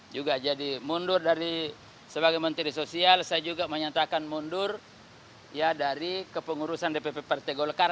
juga jadi mundur dari sebagai menteri sosial saya juga menyatakan mundur ya dari kepengurusan dpp partai golkar